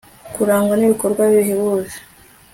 kurangwa n'ibikorwa bihebuje